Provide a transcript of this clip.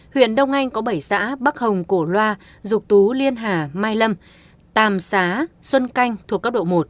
huyện đông anh có bảy xã bắc hồng cổ loa dục tú liên hà mai lâm tàm xá xuân canh thuộc cấp độ một